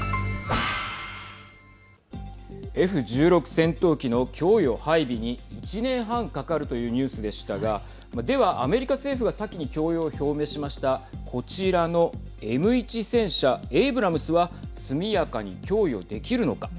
戦闘機の供与、配備に１年半かかるというニュースでしたがではアメリカ政府が先に供与を表明しましたこちらのＭ１戦車エイブラムスは速やかに供与できるのか。